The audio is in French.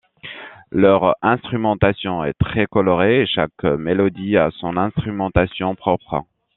Leur instrumentation est très colorée et chaque mélodie à son instrumentation propre.